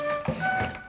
kamu mau ke rumah